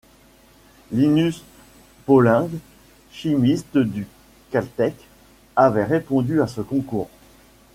Linus Pauling, chimiste du Caltech, avait répondu à ce concours.